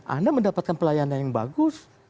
anda mendapatkan pelayanan yang bagus